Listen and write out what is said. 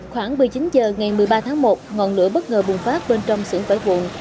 khoảng một mươi chín h ngày một mươi ba tháng một ngọn lửa bất ngờ bùng phát bên trong xưởng phải vun